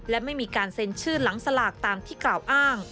และไม่มีการเซ็นชื่อหลังสลากตามที่กล่าวอ้าง